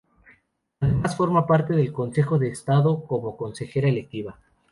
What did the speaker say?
Además forma parte del Consejo de Estado como consejera electiva.